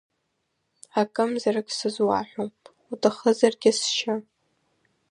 Акымзарак сызуаҳәом, уҭахызаргьы сшьы.